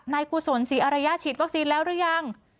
เป็นประสุนศรีอารยชีดวัคซีนแล้วหรือยัง